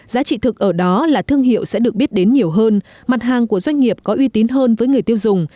giá trị thực ở đó là thương hiệu sẽ được biết đến nhiều hơn mặt hàng của doanh nghiệp có uy tín hơn với người tiêu dùng